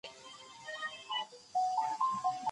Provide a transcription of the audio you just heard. روغتیايي مرکزونه د خلکو خدمت کوي.